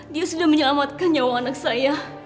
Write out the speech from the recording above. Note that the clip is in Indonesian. dia sudah menyelamatkan nyawa anak saya